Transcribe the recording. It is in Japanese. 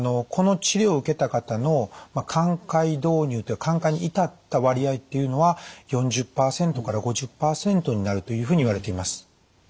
この治療を受けた方の寛解導入って寛解に至った割合っていうのは４０％から５０％になるというふうにいわれています。